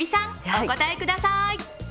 お答えください。